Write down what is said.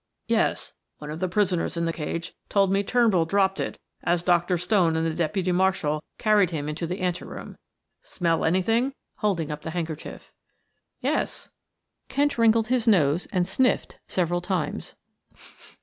"Yes. One of the prisoners in the cage told me Turnbull dropped it as Dr. Stone and the deputy marshal carried him into the ante room. Smell anything?" holding up the handkerchief. "Yes." Kent wrinkled his nose and sniffed several times.